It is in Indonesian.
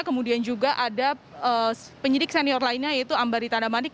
kemudian juga ada penyidik senior lainnya yaitu ambaritana manik